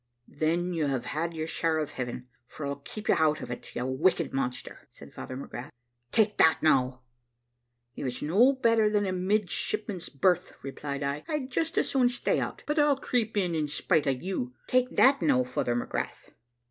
"`Then you have had your share of heaven; for I'll keep you out of it, you wicked monster!' said Father McGrath `take that now.' "`If it's no better than a midshipman's berth,' replied I, `I'd just as soon stay out; but I'll creep in in spite of you take that now, Father McGrath.'